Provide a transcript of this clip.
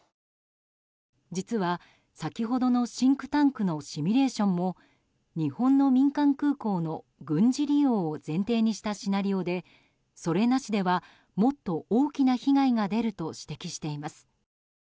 実は先ほどのシンクタンクのシミュレーションも日本の民間空港の軍事利用を前提にしたシナリオでそれなしでは、もっと大きな被害が出ると指摘しています。